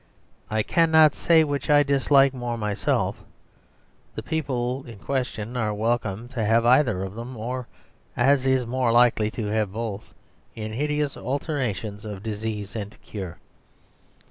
I cannot say which I dislike more myself; the people in question are welcome to have either of them, or, as is more likely, to have both, in hideous alternations of disease and cure.